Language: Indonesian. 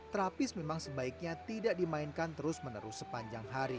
terapis memang sebaiknya tidak dimainkan terus menerus sepanjang hari